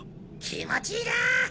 気持ちいいな！